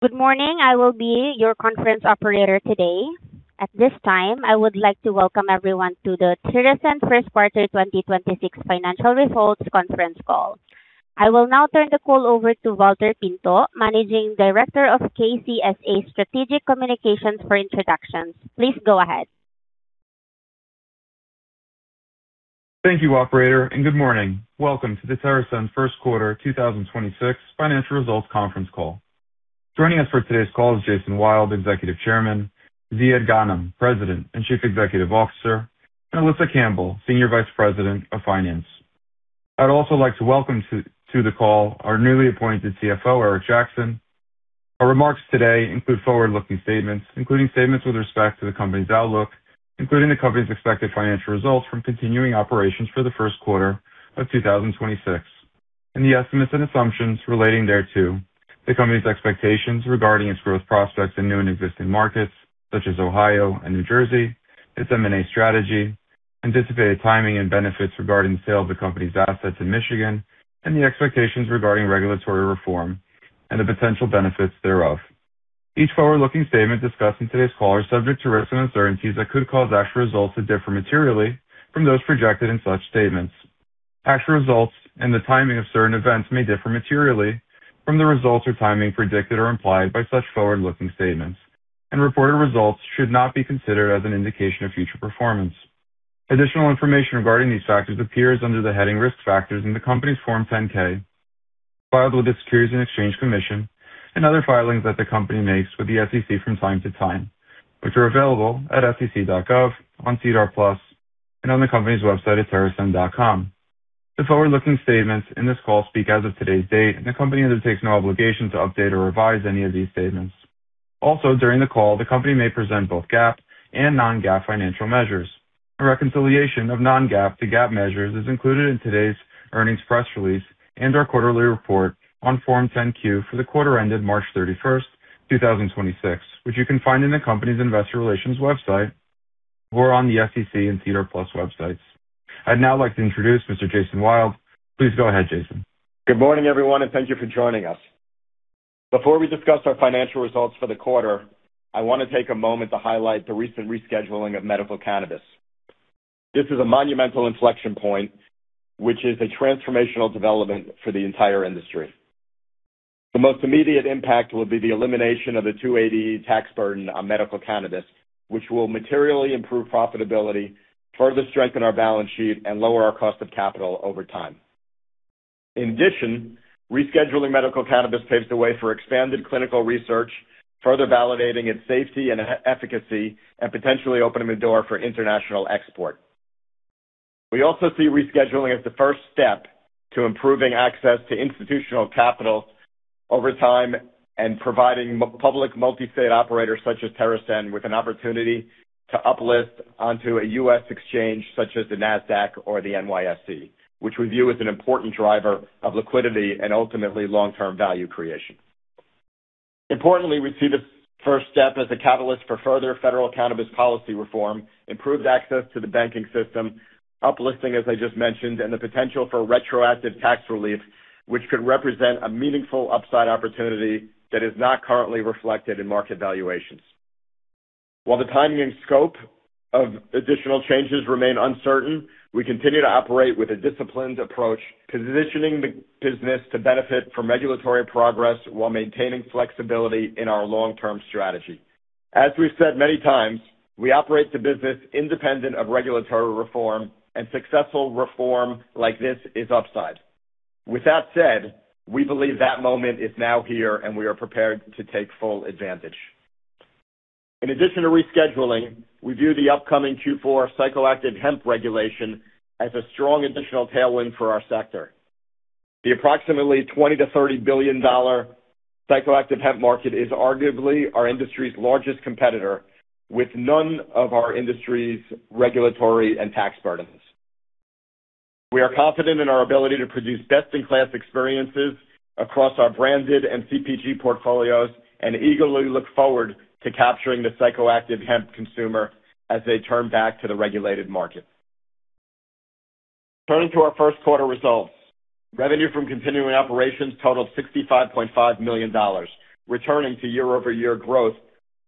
Good morning. I will be your conference operator today. At this time, I would like to welcome everyone to the TerrAscend First Quarter 2026 financial results conference call. I will now turn the call over to Valter Pinto, Managing Director of KCSA Strategic Communications for introductions. Please go ahead. Thank you, operator, and good morning. Welcome to the TerrAscend First Quarter 2026 financial results conference call. Joining us for today's call is Jason Wild, Executive Chairman, Ziad Ghanem, President and Chief Executive Officer, and Alisa Campbell, Senior Vice President of Finance. I'd also like to welcome to the call our newly appointed CFO, Eric Jackson. Our remarks today include forward-looking statements, including statements with respect to the company's outlook, including the company's expected financial results from continuing operations for the first quarter of 2026, and the estimates and assumptions relating thereto, the company's expectations regarding its growth prospects in new and existing markets, such as Ohio and New Jersey, its M&A strategy, anticipated timing and benefits regarding the sale of the company's assets in Michigan, and the expectations regarding regulatory reform and the potential benefits thereof. Each forward-looking statement discussed in today's call is subject to risks and uncertainties that could cause actual results to differ materially from those projected in such statements. Actual results and the timing of certain events may differ materially from the results or timing predicted or implied by such forward-looking statements, and reported results should not be considered as an indication of future performance. Additional information regarding these factors appears under the heading Risk Factors in the company's Form 10-K filed with the Securities and Exchange Commission and other filings that the company makes with the SEC from time to time, which are available at sec.gov, on SEDAR+ and on the company's website at terrascend.com. The forward-looking statements in this call speak as of today's date, and the company undertakes no obligation to update or revise any of these statements. Also, during the call, the company may present both GAAP and non-GAAP financial measures. A reconciliation of non-GAAP to GAAP measures is included in today's earnings press release and our quarterly report on Form 10-Q for the quarter ended March 31st, 2026, which you can find in the company's investor relations website or on the SEC and SEDAR+ websites. I'd now like to introduce Mr. Jason Wild. Please go ahead, Jason. Good morning, everyone. Thank you for joining us. Before we discuss our financial results for the quarter, I want to take a moment to highlight the recent rescheduling of medical cannabis. This is a monumental inflection point, which is a transformational development for the entire industry. The most immediate impact will be the elimination of the 280E tax burden on medical cannabis, which will materially improve profitability, further strengthen our balance sheet, and lower our cost of capital over time. In addition, rescheduling medical cannabis paves the way for expanded clinical research, further validating its safety and efficacy, and potentially opening the door for international export. We also see rescheduling as the first step to improving access to institutional capital over time and providing public multi-state operators such as TerrAscend with an opportunity to uplist onto a U.S. exchange such as the Nasdaq or the NYSE, which we view as an important driver of liquidity and ultimately long-term value creation. Importantly, we see this first step as a catalyst for further federal cannabis policy reform, improved access to the banking system, uplisting, as I just mentioned, and the potential for retroactive tax relief, which could represent a meaningful upside opportunity that is not currently reflected in market valuations. While the timing and scope of additional changes remain uncertain, we continue to operate with a disciplined approach, positioning the business to benefit from regulatory progress while maintaining flexibility in our long-term strategy. As we've said many times, we operate the business independent of regulatory reform, and successful reform like this is upside. With that said, we believe that moment is now here, and we are prepared to take full advantage. In addition to rescheduling, we view the upcoming Q4 psychoactive hemp regulation as a strong additional tailwind for our sector. The approximately $20 billion-$30 billion psychoactive hemp market is arguably our industry's largest competitor, with none of our industry's regulatory and tax burdens. We are confident in our ability to produce best-in-class experiences across our branded and CPG portfolios and eagerly look forward to capturing the psychoactive hemp consumer as they turn back to the regulated market. Turning to our first quarter results, revenue from continuing operations totaled $65.5 million, returning to year-over-year growth,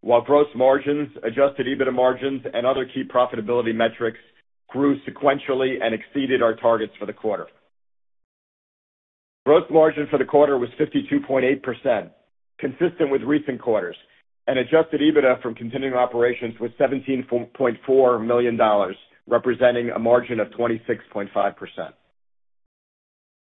while gross margins, adjusted EBITDA margins, and other key profitability metrics grew sequentially and exceeded our targets for the quarter. Gross margin for the quarter was 52.8%, consistent with recent quarters, and adjusted EBITDA from continuing operations was $17.4 million, representing a margin of 26.5%.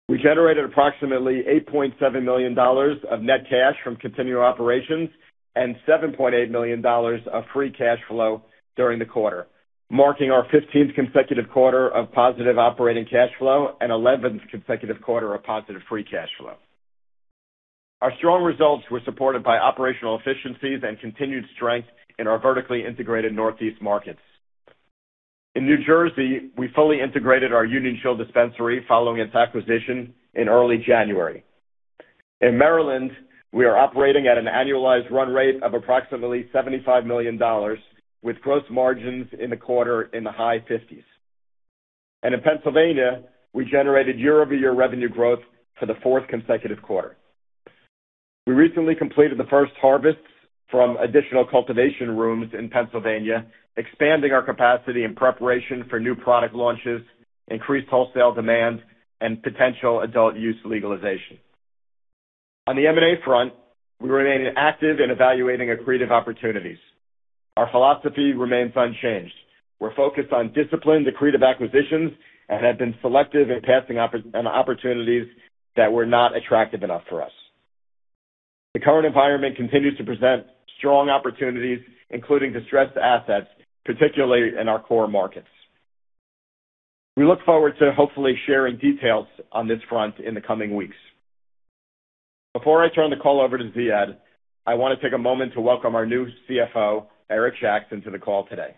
We generated approximately $8.7 million of net cash from continuing operations and $7.8 million of free cash flow during the quarter, marking our 15th consecutive quarter of positive operating cash flow and 11th consecutive quarter of positive free cash flow. Our strong results were supported by operational efficiencies and continued strength in our vertically integrated Northeast markets. In New Jersey, we fully integrated our Union Chill dispensary following its acquisition in early January. In Maryland, we are operating at an annualized run rate of approximately $75 million, with gross margins in the quarter in the high 50s. In Pennsylvania, we generated year-over-year revenue growth for the fourth consecutive quarter. We recently completed the first harvest from additional cultivation rooms in Pennsylvania, expanding our capacity in preparation for new product launches, increased wholesale demand, and potential adult use legalization. On the M&A front, we remain active in evaluating accretive opportunities. Our philosophy remains unchanged. We're focused on disciplined accretive acquisitions and have been selective in passing on opportunities that were not attractive enough for us. The current environment continues to present strong opportunities, including distressed assets, particularly in our core markets. We look forward to hopefully sharing details on this front in the coming weeks. Before I want to turn the call over to Ziad, I want to take a moment to welcome our new CFO, Eric Jackson, to the call today.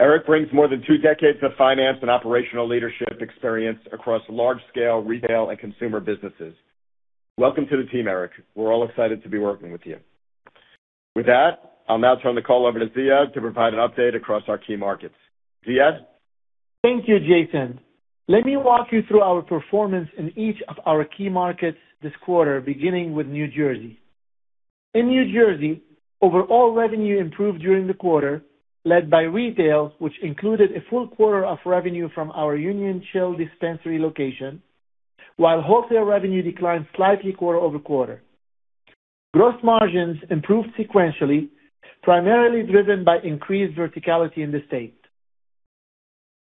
Eric brings more than two decades of finance and operational leadership experience across large-scale retail and consumer businesses. Welcome to the team, Eric. We're all excited to be working with you. With that, I'll now turn the call over to Ziad to provide an update across our key markets. Ziad? Thank you, Jason. Let me walk you through our performance in each of our key markets this quarter, beginning with New Jersey. In New Jersey, overall revenue improved during the quarter, led by retail, which included a full quarter of revenue from our Union Chill dispensary location, while wholesale revenue declined slightly quarter-over-quarter. Gross margins improved sequentially, primarily driven by increased verticality in the state.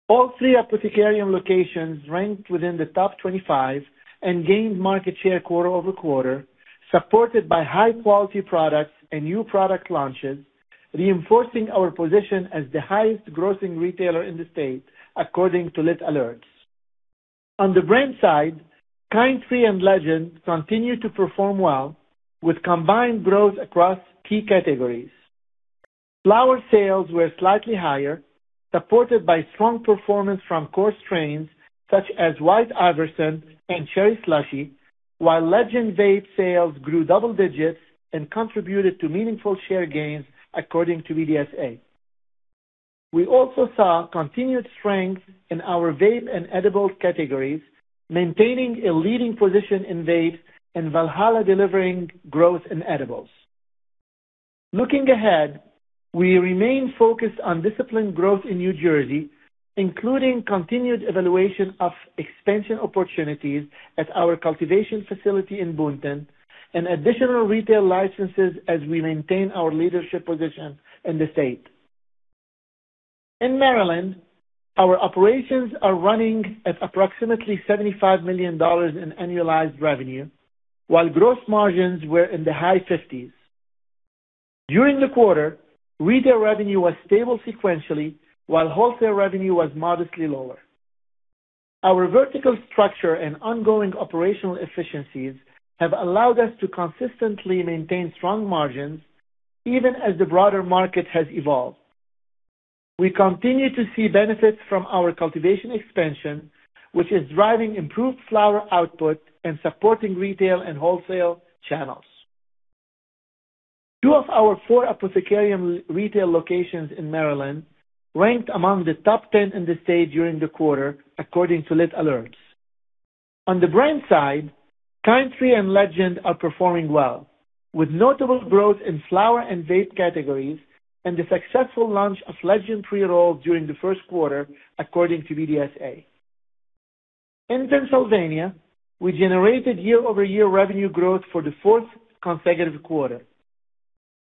All three Apothecarium locations ranked within the top 25 and gained market share quarter-over-quarter, supported by high-quality products and new product launches, reinforcing our position as the highest grossing retailer in the state, according to Lit Alerts. On the brand side, Kind Tree and Legend continued to perform well with combined growth across key categories. Flower sales were slightly higher, supported by strong performance from core strains such as White Iverson and Cherry Slushy, while Legend vape sales grew double digits and contributed to meaningful share gains, according to BDSA. We also saw continued strength in our vape and edible categories, maintaining a leading position in vapes and Valhalla delivering growth in edibles. Looking ahead, we remain focused on disciplined growth in New Jersey, including continued evaluation of expansion opportunities at our cultivation facility in Boonton and additional retail licenses as we maintain our leadership position in the state. In Maryland, our operations are running at approximately $75 million in annualized revenue, while gross margins were in the high 50s. During the quarter, retail revenue was stable sequentially, while wholesale revenue was modestly lower. Our vertical structure and ongoing operational efficiencies have allowed us to consistently maintain strong margins even as the broader market has evolved. We continue to see benefits from our cultivation expansion, which is driving improved flower output and supporting retail and wholesale channels. Two of our four Apothecarium retail locations in Maryland ranked among the top 10 in the state during the quarter, according to Lit Alerts. On the brand side, Kind Tree and Legend are performing well, with notable growth in flower and vape categories and the successful launch of Legend pre-rolls during the first quarter, according to BDSA. In Pennsylvania, we generated year-over-year revenue growth for the fourth consecutive quarter.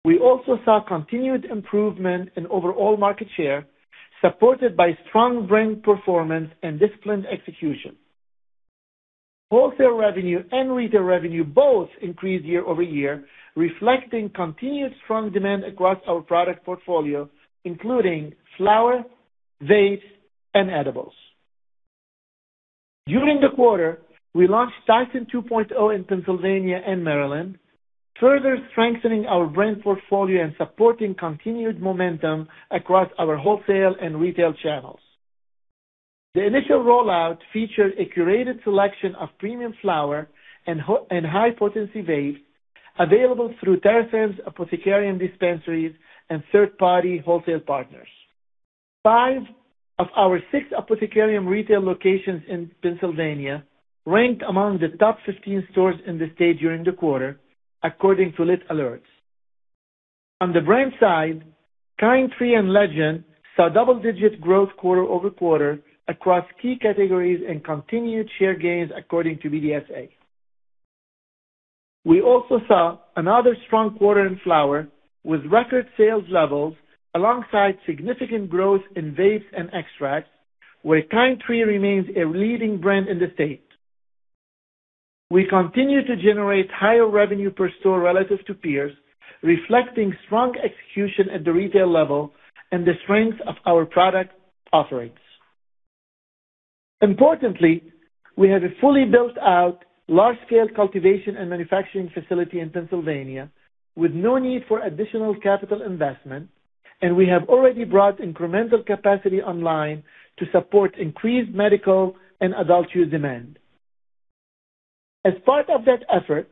We also saw continued improvement in overall market share, supported by strong brand performance and disciplined execution. Wholesale revenue and retail revenue both increased year-over-year, reflecting continued strong demand across our product portfolio, including flower, vapes, and edibles. During the quarter, we launched Tyson 2.0 in Pennsylvania and Maryland, further strengthening our brand portfolio and supporting continued momentum across our wholesale and retail channels. The initial rollout featured a curated selection of premium flower and high-potency vapes available through TerrAscend's Apothecarium dispensaries and third-party wholesale partners. Five of our six Apothecarium retail locations in Pennsylvania ranked among the top 15 stores in the state during the quarter, according to Lit Alerts. On the brand side, Kind Tree and Legend saw double-digit growth quarter-over-quarter across key categories and continued share gains, according to BDSA. We also saw another strong quarter in flower with record sales levels alongside significant growth in vapes and extracts, where Kind Tree remains a leading brand in the state. We continue to generate higher revenue per store relative to peers, reflecting strong execution at the retail level and the strength of our product offerings. We have a fully built-out large-scale cultivation and manufacturing facility in Pennsylvania with no need for additional capital investment, and we have already brought incremental capacity online to support increased medical and adult use demand. As part of that effort,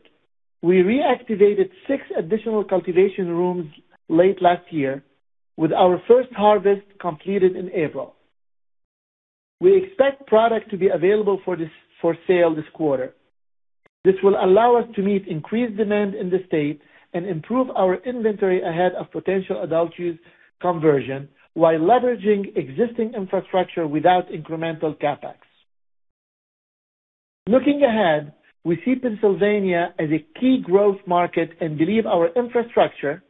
we reactivated six additional cultivation rooms late last year, with our first harvest completed in April. We expect product to be available for sale this quarter. This will allow us to meet increased demand in the state and improve our inventory ahead of potential adult use conversion while leveraging existing infrastructure without incremental CapEx. Looking ahead, we see Pennsylvania as a key growth market and believe our infrastructure,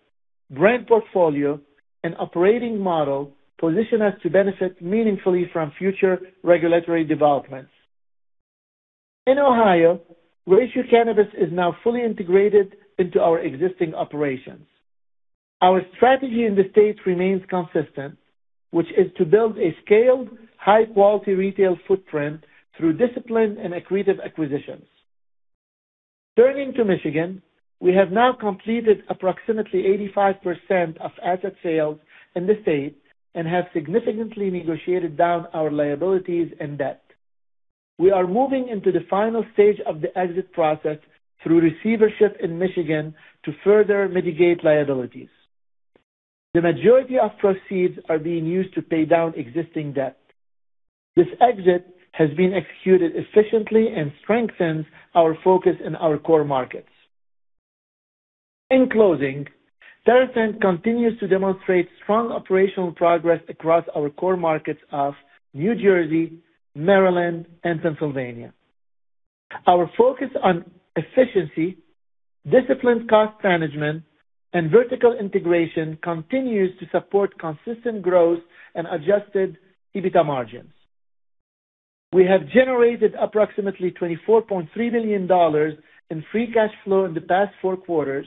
brand portfolio, and operating model position us to benefit meaningfully from future regulatory developments. In Ohio, Ratio Cannabis is now fully integrated into our existing operations. Our strategy in the state remains consistent, which is to build a scaled, high-quality retail footprint through discipline and accretive acquisitions. Turning to Michigan, we have now completed approximately 85% of asset sales in the state and have significantly negotiated down our liabilities and debt. We are moving into the final stage of the exit process through receivership in Michigan to further mitigate liabilities. The majority of proceeds are being used to pay down existing debt. This exit has been executed efficiently and strengthens our focus in our core markets. In closing, TerrAscend continues to demonstrate strong operational progress across our core markets of New Jersey, Maryland, and Pennsylvania. Our focus on efficiency, disciplined cost management, and vertical integration continues to support consistent growth and adjusted EBITDA margins. We have generated approximately $24.3 billion in free cash flow in the past four quarters,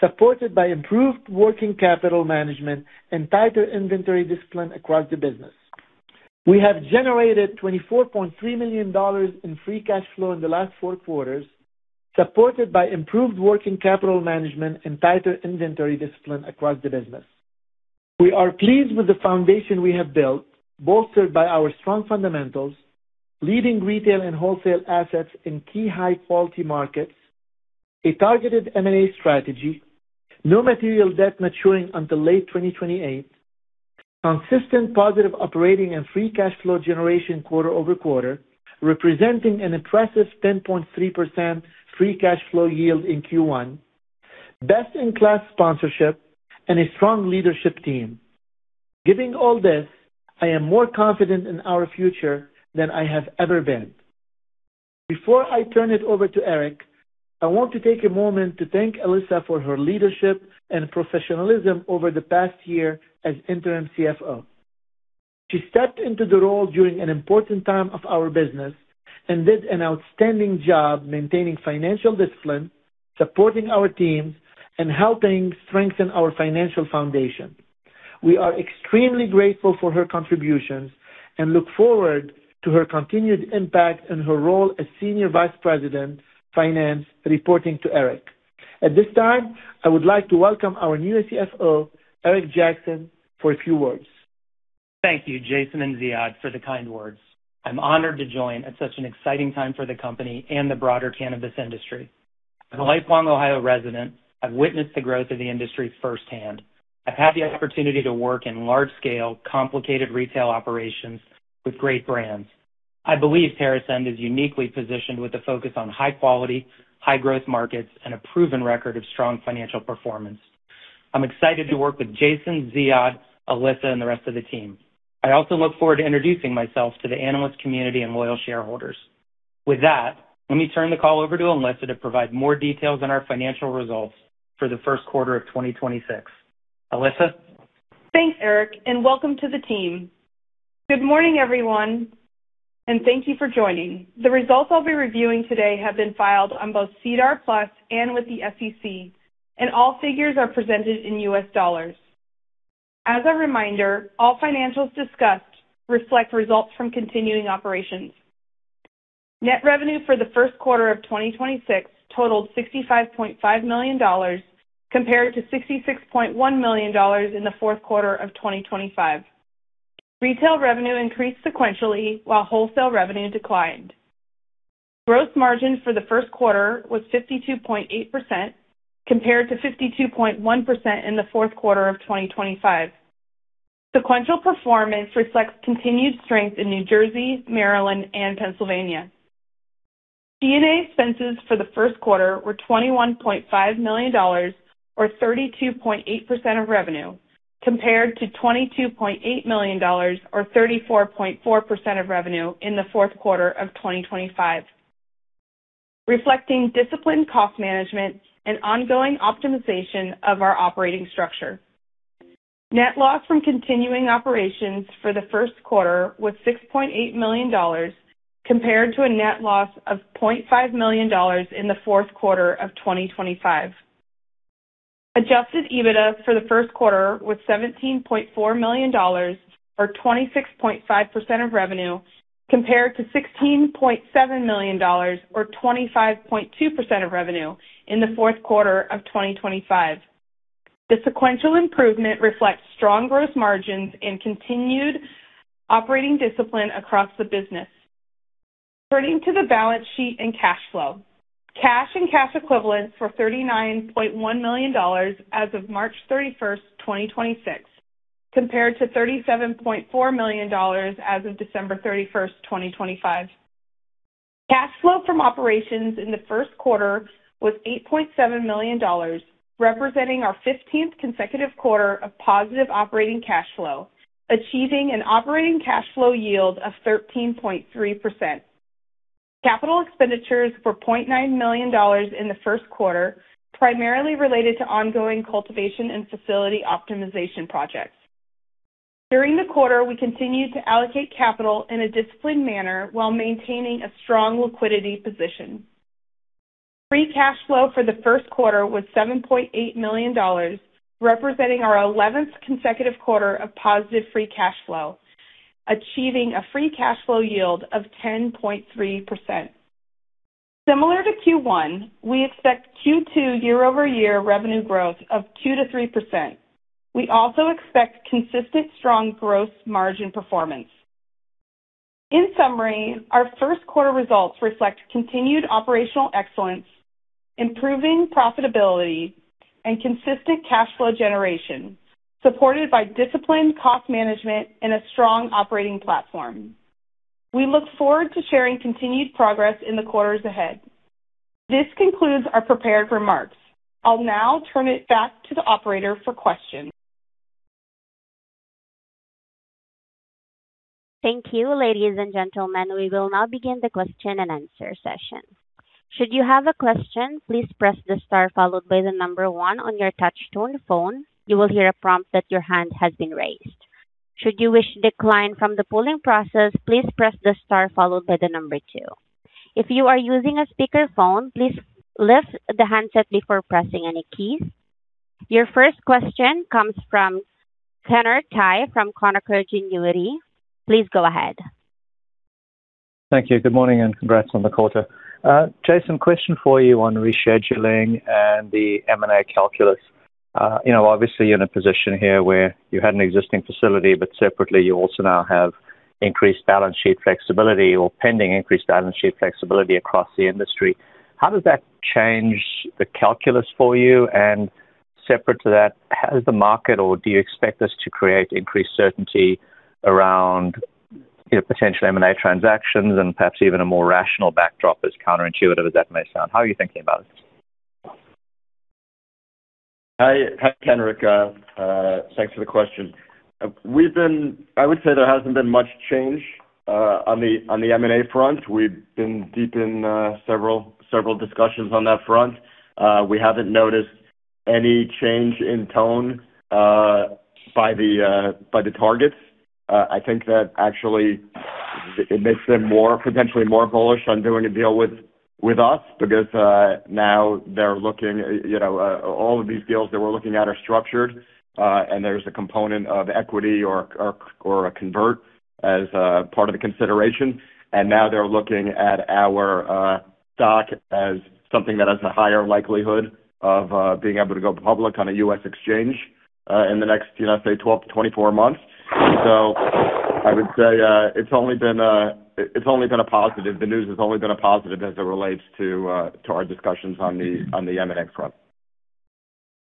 supported by improved working capital management and tighter inventory discipline across the business. We have generated $24.3 million in free cash flow in the last four quarters, supported by improved working capital management and tighter inventory discipline across the business. We are pleased with the foundation we have built, bolstered by our strong fundamentals, leading retail and wholesale assets in key high quality markets, a targeted M&A strategy, no material debt maturing until late 2028, consistent positive operating and free cash flow generation quarter-over-quarter, representing an impressive 10.3% free cash flow yield in Q1, best-in-class sponsorship, and a strong leadership team. Giving all this, I am more confident in our future than I have ever been. Before I turn it over to Eric, I want to take a moment to thank Alisa for her leadership and professionalism over the past year as interim CFO. She stepped into the role during an important time of our business and did an outstanding job maintaining financial discipline, supporting our teams, and helping strengthen our financial foundation. We are extremely grateful for her contributions and look forward to her continued impact in her role as Senior Vice President, Finance, reporting to Eric. At this time, I would like to welcome our new CFO, Eric Jackson, for a few words. Thank you, Jason and Ziad, for the kind words. I'm honored to join at such an exciting time for the company and the broader cannabis industry. As a lifelong Ohio resident, I've witnessed the growth of the industry firsthand. I've had the opportunity to work in large-scale, complicated retail operations with great brands. I believe TerrAscend is uniquely positioned with a focus on high quality, high-growth markets, and a proven record of strong financial performance. I'm excited to work with Jason, Ziad, Alisa, and the rest of the team. I also look forward to introducing myself to the analyst community and loyal shareholders. With that, let me turn the call over to Alisa to provide more details on our financial results for the first quarter of 2026. Alisa. Thanks, Eric, and welcome to the team. Good morning, everyone, and thank you for joining. The results I'll be reviewing today have been filed on both SEDAR+ and with the SEC, and all figures are presented in US dollars. As a reminder, all financials discussed reflect results from continuing operations. Net revenue for the first quarter of 2026 totaled $65.5 million compared to $66.1 million in the fourth quarter of 2025. Retail revenue increased sequentially while wholesale revenue declined. Gross margin for the first quarter was 52.8% compared to 52.1% in the fourth quarter of 2025. Sequential performance reflects continued strength in New Jersey, Maryland, and Pennsylvania. D&A expenses for the first quarter were $21.5 million or 32.8% of revenue compared to $22.8 million or 34.4% of revenue in the fourth quarter of 2025, reflecting disciplined cost management and ongoing optimization of our operating structure. Net loss from continuing operations for the first quarter was $6.8 million compared to a net loss of $0.5 million in the fourth quarter of 2025. Adjusted EBITDA for the first quarter was $17.4 million or 26.5% of revenue, compared to $16.7 million or 25.2% of revenue in the fourth quarter of 2025. The sequential improvement reflects strong gross margins and continued operating discipline across the business. Turning to the balance sheet and cash flow. Cash and cash equivalents were $39.1 million as of March 31st, 2026, compared to $37.4 million as of December 31st, 2025. Cash flow from operations in the first quarter was $8.7 million, representing our 15th consecutive quarter of positive operating cash flow, achieving an operating cash flow yield of 13.3%. Capital expenditures were $0.9 million in the first quarter, primarily related to ongoing cultivation and facility optimization projects. During the quarter, we continued to allocate capital in a disciplined manner while maintaining a strong liquidity position. Free cash flow for the first quarter was $7.8 million, representing our 11th consecutive quarter of positive free cash flow, achieving a free cash flow yield of 10.3%. Similar to Q1, we expect Q2 year-over-year revenue growth of 2%-3%. We also expect consistent strong gross margin performance. In summary, our first quarter results reflect continued operational excellence, improving profitability, and consistent cash flow generation, supported by disciplined cost management and a strong operating platform. We look forward to sharing continued progress in the quarters ahead. This concludes our prepared remarks. I'll now turn it back to the operator for questions Thank you. Ladies and gentlemen, we will now begin the question and answer session. Your first question comes from Kenric Tyghe from Canaccord Genuity. Please go ahead. Thank you. Good morning. Congrats on the quarter. Jason, question for you on rescheduling and the M&A calculus. you know, obviously you're in a position here where you had an existing facility, but separately you also now have increased balance sheet flexibility or pending increased balance sheet flexibility across the industry. How does that change the calculus for you? Separate to that, has the market, or do you expect this to create increased certainty around, you know, potential M&A transactions and perhaps even a more rational backdrop as counterintuitive as that may sound? How are you thinking about it? Hi, Kenric. Thanks for the question. I would say there hasn't been much change on the M&A front. We've been deep in several discussions on that front. We haven't noticed any change in tone by the targets. I think that actually it makes them more, potentially more bullish on doing a deal with us because now they're looking, you know, all of these deals that we're looking at are structured, and there's a component of equity or a convert as part of the consideration. Now they're looking at our stock as something that has a higher likelihood of being able to go public on a U.S. exchange in the next, you know, say, 12 to 24 months. I would say, it's only been a positive. The news has only been a positive as it relates to our discussions on the, on the M&A front.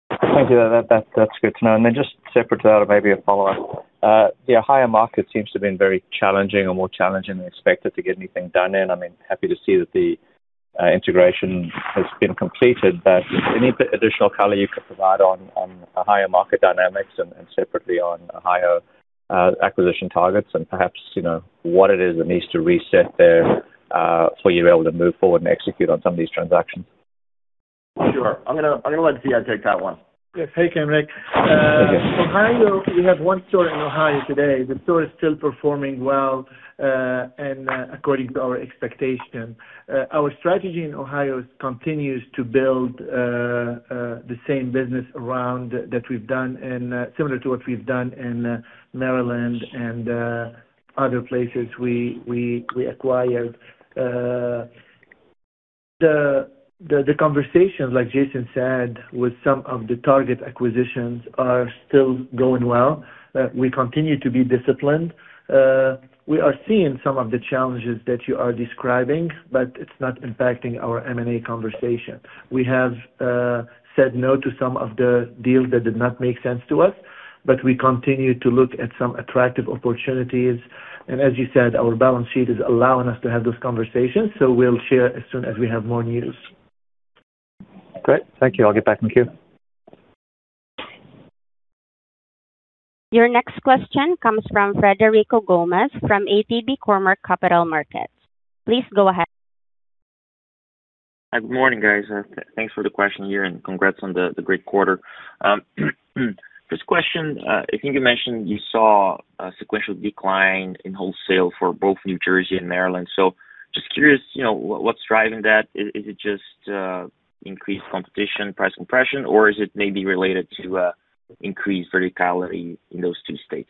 Thank you. That's good to know. Then just separate to that or maybe a follow-up. Yeah, higher market seems to have been very challenging or more challenging than expected to get anything done in. I mean, happy to see that the integration has been completed, but any additional color you could provide on higher market dynamics and separately on higher acquisition targets and perhaps, you know, what it is that needs to reset there for you to be able to move forward and execute on some of these transactions? Sure. I'm gonna let Ziad take that one. Yes. Hey, Kenric. Ohio, we have one store in Ohio today. The store is still performing well and according to our expectation. Our strategy in Ohio continues to build the same business around that we've done in similar to what we've done in Maryland and other places we acquired. The conversations, like Jason Wild said, with some of the target acquisitions are still going well. We continue to be disciplined. We are seeing some of the challenges that you are describing, but it's not impacting our M&A conversation. We have said no to some of the deals that did not make sense to us, but we continue to look at some attractive opportunities. As you said, our balance sheet is allowing us to have those conversations, so we'll share as soon as we have more news. Great. Thank you. I'll get back in queue. Your next question comes from Frederico Gomes from ATB Capital Markets. Please go ahead. Hi. Good morning, guys. Thanks for the question here, and congrats on the great quarter. First question. I think you mentioned you saw a sequential decline in wholesale for both New Jersey and Maryland. Just curious, you know, what's driving that? Is it just increased competition, price compression? Or is it maybe related to increased verticality in those two states?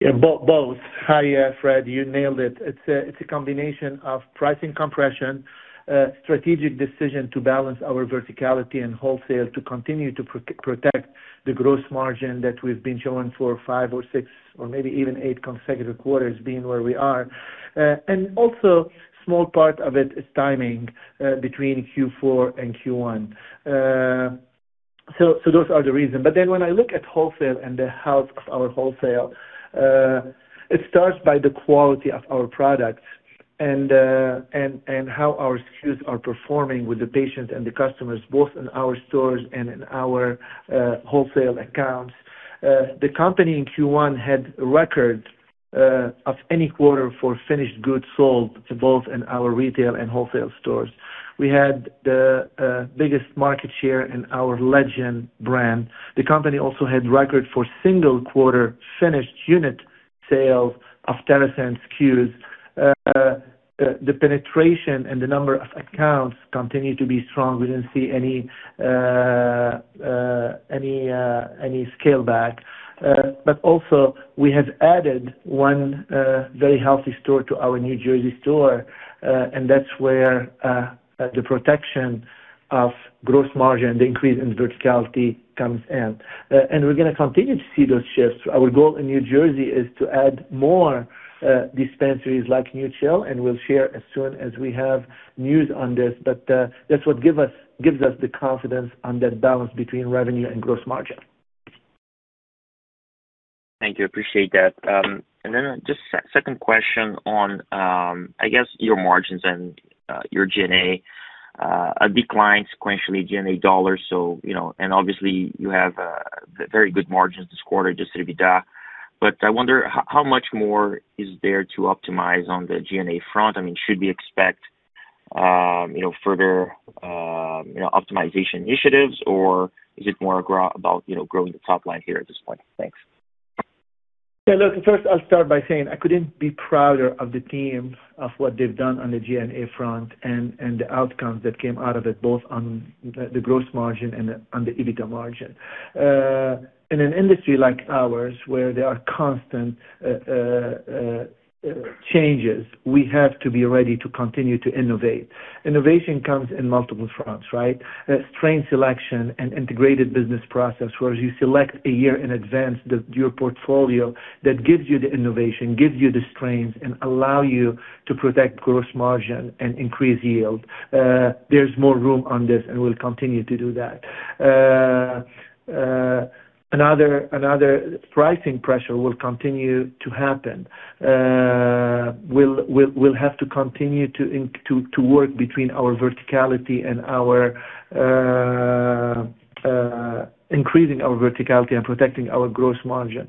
Yeah, both. Hi, Fred, you nailed it. It's a combination of pricing compression, strategic decision to balance our verticality and wholesale to continue to protect the gross margin that we've been showing for five or six or maybe even eight consecutive quarters being where we are. Small part of it is timing between Q4 and Q1. Those are the reasons. When I look at wholesale and the health of our wholesale, it starts by the quality of our products and how our SKUs are performing with the patients and the customers both in our stores and in our wholesale accounts. The company in Q1 had a record of any quarter for finished goods sold both in our retail and wholesale stores. We had the biggest market share in our Legend brand. The company also had record for single quarter finished unit sales of TerrAscend SKUs. The penetration and the number of accounts continue to be strong. We didn't see any scale back. But also we have added one very healthy store to our New Jersey store, and that's where the protection of gross margin, the increase in verticality comes in. We're gonna continue to see those shifts. Our goal in New Jersey is to add more dispensaries like Union Chill, and we'll share as soon as we have news on this. That's what gives us the confidence on that balance between revenue and gross margin. Thank you. Appreciate that. Just second question on, I guess your margins and your G&A. A decline sequentially G&A dollars, so, you know, and obviously you have very good margins this quarter, adjusted EBITDA. But I wonder how much more is there to optimize on the G&A front. I mean, should we expect, further, optimization initiatives, or is it more about, you know, growing the top line here at this point? Thanks. Yeah, look, first I'll start by saying I couldn't be prouder of the teams of what they've done on the G&A front and the outcomes that came out of it, both on the gross margin and the EBITDA margin. In an industry like ours, where there are constant changes, we have to be ready to continue to innovate. Innovation comes in multiple fronts, right? Strain selection and integrated business process, whereas you select a year in advance your portfolio that gives you the innovation, gives you the strains, and allow you to protect gross margin and increase yield. There's more room on this, and we'll continue to do that. Another pricing pressure will continue to happen. We'll have to continue to work between our verticality and our increasing our verticality and protecting our gross margin.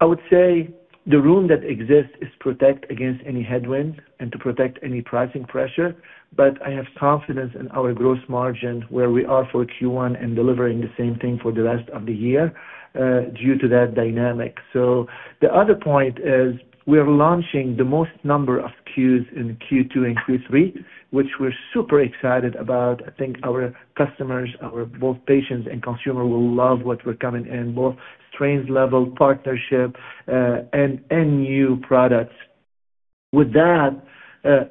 I would say the room that exists is protect against any headwind and to protect any pricing pressure, but I have confidence in our gross margin where we are for Q1 and delivering the same thing for the rest of the year due to that dynamic. The other point is we're launching the most number of SKUs in Q2 and Q3, which we're super excited about. I think our customers, our both patients and consumer will love what we're coming in, both strains level, partnership, and new products. With that,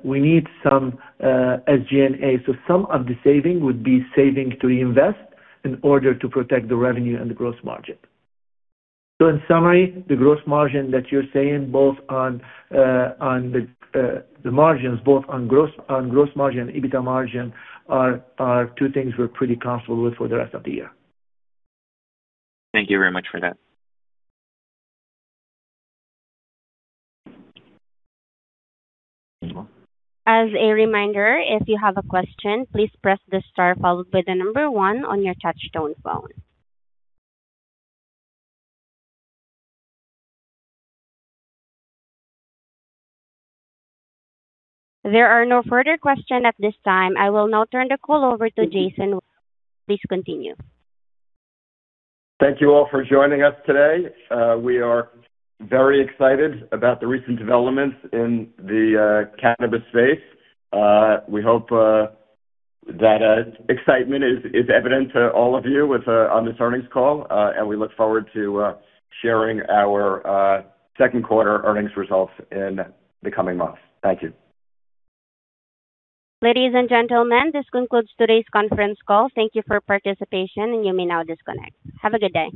we need some as G&A. Some of the saving would be saving to invest in order to protect the revenue and the gross margin. In summary, the gross margin that you're saying both on the margins, both on gross margin and EBITDA margin are two things we're pretty comfortable with for the rest of the year. Thank you very much for that. As a reminder, if you have a question, please press the star followed by 1 on your touchtone phone. There are no further questions at this time. I will now turn the call over to Jason. Please continue. Thank you all for joining us today. We are very excited about the recent developments in the cannabis space. We hope that excitement is evident to all of you with on this earnings call, and we look forward to sharing our second quarter earnings results in the coming months. Thank you. Ladies and gentlemen, this concludes today's conference call. Thank you for participation, and you may now disconnect. Have a good day.